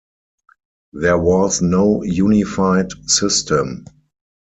There was no unified system.